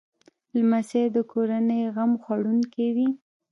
لمسی د کورنۍ غم خوړونکی وي.